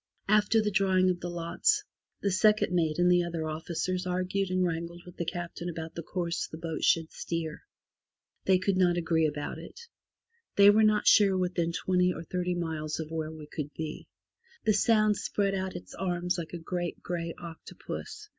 After the drawing of the lots, the second mate and the other officers argued and wrangled with the Captain about the course the boat should steer. They could not agree about it. They were not sure within twenty or thirty miles of where we could be. The Sound spread out its arms like a great grey octopus.